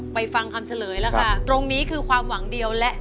ไว้นะครับตรงนี้คือความหวังเดียวและ